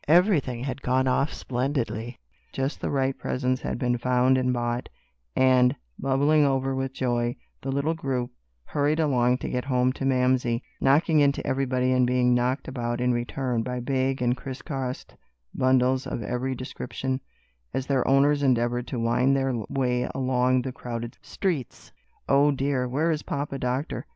Everything had gone off splendidly, just the right presents had been found and bought, and, bubbling over with joy, the little group hurried along to get home to Mamsie, knocking into everybody and being knocked about in return by big and crisscrossed bundles of every description, as their owners endeavored to wind their way along the crowded streets. "O dear, where is Papa Doctor?"